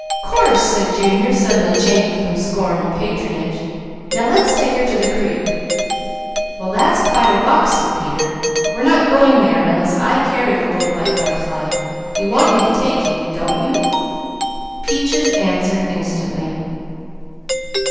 "Course!" said Junior, suddenly changing from scorn to patronage. "Now let's take her to the creek!" "Well that's quite a walk," said Peter. "We're not going there unless I carry the Little White Butterfly. You want me to take you, don't you?" Peaches answered instantly.